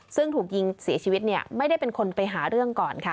ซึ่งถูกยิงเสียชีวิตไม่ได้เป็นคนไปหาเรื่องก่อนค่ะ